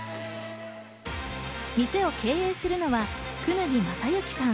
店を経営するのは、功刀正行さん。